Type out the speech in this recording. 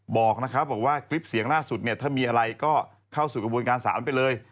บอกนะครับบอกว่าคลิปเสียงล่าสุดเนี่ยถ้ามีอะไรก็เข้าสู่กระบวนการศาลไปเลย